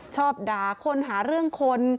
ชอบด่าคนหาเรื่องคน